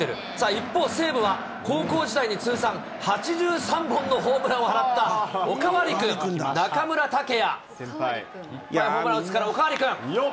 一方、西武は高校時代に通算８３本のホームランを放ったおかわり君、中村剛也。おかわり君。